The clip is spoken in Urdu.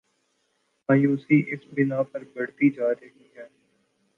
مایوسی اس بنا پہ بڑھتی جا رہی ہے۔